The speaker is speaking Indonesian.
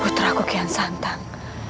putra kukian santang